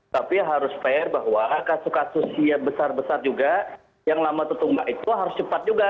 tapi harus fair bahwa kasus kasus yang besar besar juga yang lama tertunggak itu harus cepat juga